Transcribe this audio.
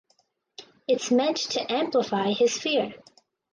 It’s meant to amplify his fear.